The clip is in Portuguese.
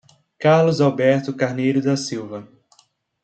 Carlos Alberto Carneiro da Silva